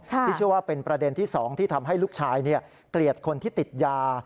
ที่เชื่อว่าเป็นประเด็นที่๒ที่ทำให้ลูกชายเกลียดคนที่ติดยา